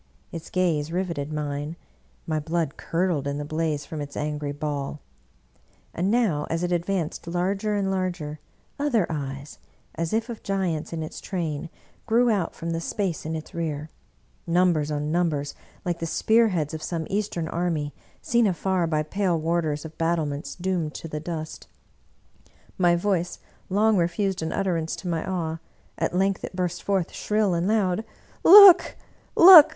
Its gaze riveted mine; my blood curdled in the blaze from its angry ball; and now as it advanced larger and larger, other Eyes, as if of giants in its train, grew out from the space in its rear — numbers on numbers, like the spearheads of some Eastern army, seen afar by pale warders of battle ments doomed to the dust. My voice long refused an ut terance to my awe; at length it burst forth shrill and loud: " Look, look!